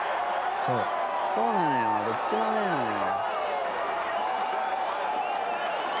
「そうなのよどっちもアウェーなのよ」